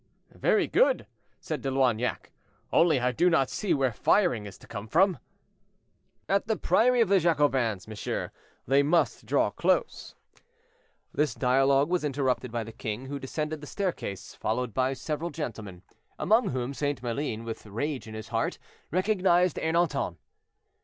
"Very good!" said De Loignac, "only I do not see where firing is to come from." "At the priory of the Jacobins, monsieur, they must draw close." This dialogue was interrupted by the king, who descended the staircase, followed by several gentlemen, among whom St. Maline, with rage in his heart, recognized Ernanton.